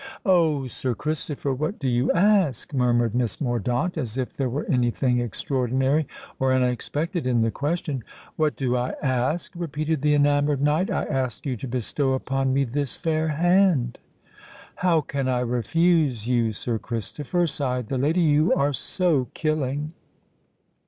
"Oh! Sir Christopher, what do you ask?" murmured Miss Mordaunt, as if there were any thing extraordinary or unexpected in the question. "What do I ask?" repeated the enamoured knight: "I ask you to bestow upon me this fair hand." "How can I refuse you, Sir Christopher?" sighed the lady. "You are so killing!"